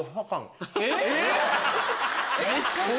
えっ？